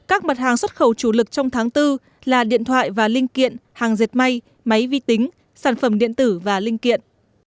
các mặt hàng xuất khẩu chủ lực trong tháng bốn là điện thoại và linh kiện hàng dệt may máy vi tính sản phẩm điện tử và linh kiện